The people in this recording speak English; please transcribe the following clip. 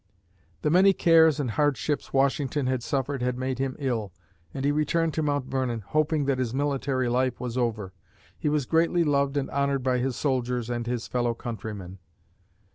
The many cares and hardships Washington had suffered had made him ill and he returned to Mount Vernon, hoping that his military life was over. He was greatly loved and honored by his soldiers and his fellow countrymen.